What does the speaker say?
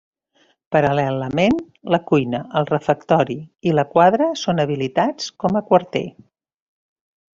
Paral·lelament, la cuina, el refectori i la quadra són habilitats com a quarter.